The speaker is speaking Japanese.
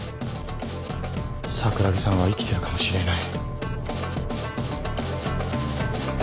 桜木さんは生きてるかもしれない。